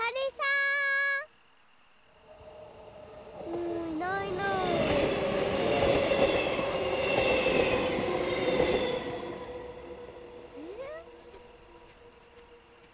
うんいないな。え？